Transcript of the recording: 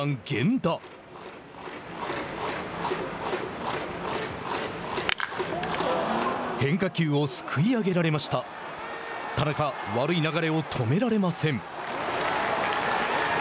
田中、悪い流れを止められません。